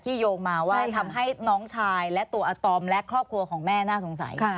โยงมาว่าทำให้น้องชายและตัวอาตอมและครอบครัวของแม่น่าสงสัย